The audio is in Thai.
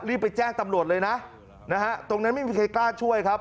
รีบไปแจ้งตำรวจเลยนะนะฮะตรงนั้นไม่มีใครกล้าช่วยครับ